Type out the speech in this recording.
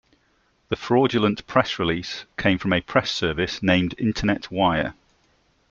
The fraudulent press release came from a press service named Internet Wire.